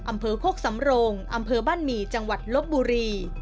อำเภอโคกสำโรงอำเภอบ้านหมี่จังหวัดลบบุรี